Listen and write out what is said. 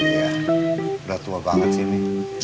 ya berat tua banget sih mi